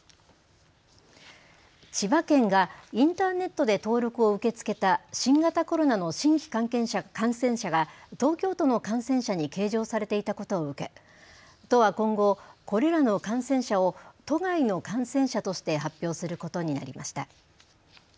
千葉県がインターネットで登録を受け付けた新型コロナの新規感染者が東京都の感染者に計上されていたことを受け都は今後、これらの感染者を都外の感染者として発表することになりました。